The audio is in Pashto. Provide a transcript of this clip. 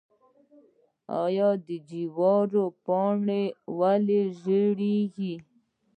آیا د جوارو پاڼې ولې ژیړیږي؟